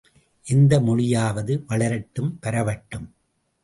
எந்த மொழியாவது வளரட்டும் பரவட்டும்.